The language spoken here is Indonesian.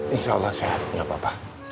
insya allah sehat tidak apa apa